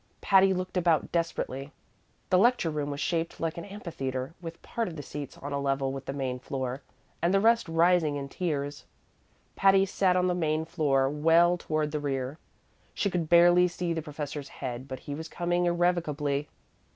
Patty looked about desperately. The lecture room was shaped like an amphitheater, with part of the seats on a level with the main floor, and the rest rising in tiers. Patty sat on the main floor, well toward the rear. She could barely see the professor's head, but he was coming irrevocably.